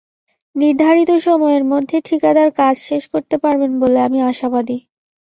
নির্ধারিত সময়ের মধ্যে ঠিকাদার কাজ শেষ করতে পারবেন বলে আমি আশাবাদী।